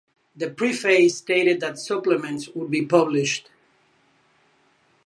The preface stated that supplements would be published.